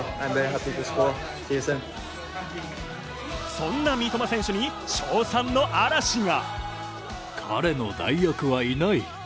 そんな三笘選手に称賛の嵐が。